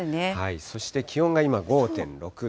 そして気温が今５．６度。